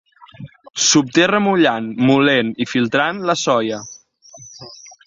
S'obté remullant, molent i filtrant la soia.